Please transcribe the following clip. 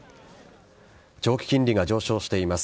長期金利が上昇しています。